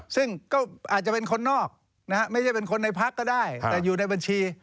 ซึ่งก็อาจจะเป็นคนนอกนะฮะไม่ใช่เป็นคนในพักก็ได้แต่อยู่ในบัญชี